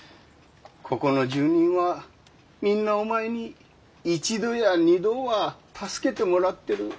ここの住人はみんなお前に一度や二度は助けてもらってる。